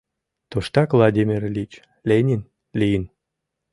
Туштак Владимир Ильич Ленин лийын